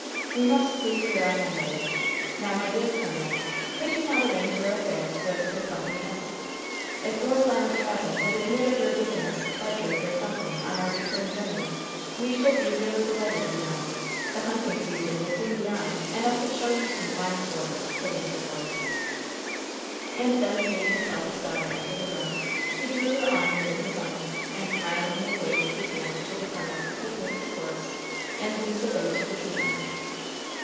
We must leave here on Monday. Now, my dear colonel, could you not arrange your affairs so as to accompany us? If your plan of travel would admit of your giving us the pleasure of your company on our return journey, we should be really delighted, you know. The hunting season will soon be on, and I could show you some fine sport," said Mr. Force. And then seeing his eldest daughter enter the room, he drew her arm within his own and smilingly waved his hand to the colonel to take Mrs. Force and lead the way to the tea room.